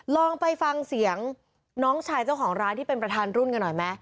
ลองไปฟังเสียงน้องชายเจ้าของร้านที่เป็นประธานรุ่นกันหน่อยไหม